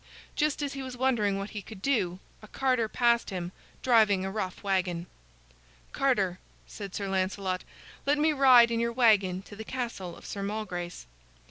Just as he was wondering what he could do, a carter passed him, driving a rough wagon. "Carter," said Sir Lancelot, "let me ride in your wagon to the castle of Sir Malgrace."